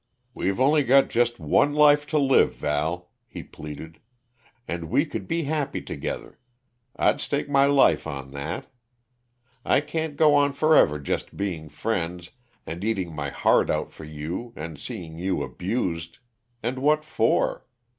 "We've only got just one life to live, Val!" he pleaded. "And we could be happy together I'd stake my life on that. I can't go on forever just being friends, and eating my heart out for you, and seeing you abused and what for?